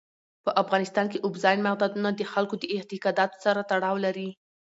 په افغانستان کې اوبزین معدنونه د خلکو د اعتقاداتو سره تړاو لري.